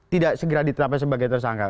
tidak segera ditetapkan sebagai tersangka